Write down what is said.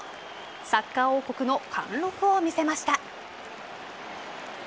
サッカー王国の貫禄を見せました。